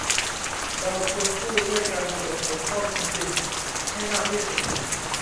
เราควรสู้ด้วยการเปิดเผยข้อมูลจริงให้มากที่สุด